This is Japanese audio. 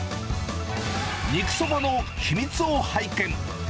肉そばの秘密を拝見。